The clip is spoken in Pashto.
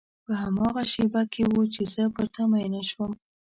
په هماغه شېبه کې و چې زه پر تا مینه شوم.